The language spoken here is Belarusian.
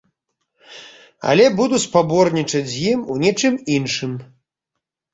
Але буду спаборнічаць з ім у нечым іншым.